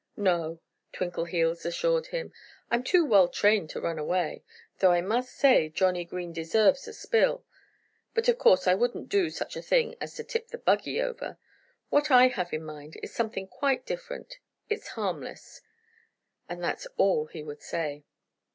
"No!" Twinkleheels assured him. "I'm too well trained to run away, though I must say Johnnie Green deserves a spill. But of course I wouldn't do such a thing as to tip the buggy over. What I have in mind is something quite different. It's harmless." And that was all he would say.